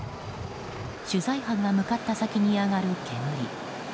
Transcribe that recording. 取材班が向かった先に上がる煙。